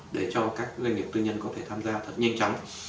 để cho các doanh nghiệp tư nhân có thể tham gia thật nhanh chóng